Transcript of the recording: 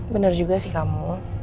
bener juga sih kamu